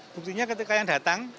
buktinya ketika yang datang